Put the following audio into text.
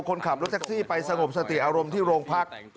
คนขับรถแท็กซี่ไปสงบสติอารมณ์ที่โรงพัก